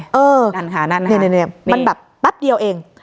นั่นค่ะนั่นมันแบบแป๊บเดียวเอง